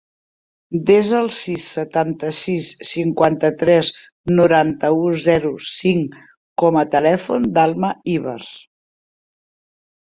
Desa el sis, setanta-sis, cinquanta-tres, noranta-u, zero, cinc com a telèfon de l'Alma Ivars.